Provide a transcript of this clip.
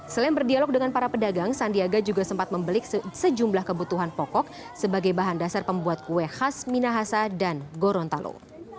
selain berdialog dengan para pedagang sandiaga juga sempat membeli sejumlah kebutuhan pokok sebagai bahan dasar pembuat kue khas minahasa dan gorontalo